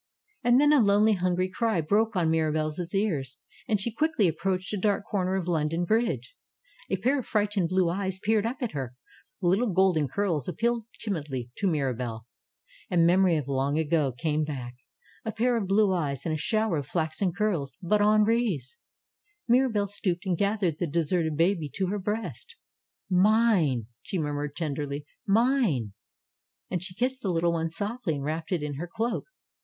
And then a lonely, hungry cry broke on Mirabelle's ears. And she quickly approached a dark corner of London Bridge. A pair of frightened blue eyes peered up at her ; little golden curls appealed timidly to Mira 122 MIRABELLE belle. And a memory of Long Ago came back; a pair of blue eyes and a shower of flaxen curls, but Henri's. Mirabelle stooped and gathered the deserted baby to her breast. ^^Mine!" she murmured tenderly. "Mine!" And she kissed the little one softly and wrapped it in her cloak.